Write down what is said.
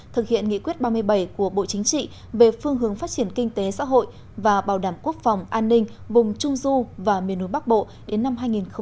thực hiện nghị quyết ba mươi bảy của bộ chính trị về phương hướng phát triển kinh tế xã hội và bảo đảm quốc phòng an ninh vùng trung du và miền núi bắc bộ đến năm hai nghìn hai mươi